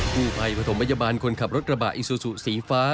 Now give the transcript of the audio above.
ผู้ภัยประถมพยาบาลคนขับรถกระบะอิซูซูสีฟ้า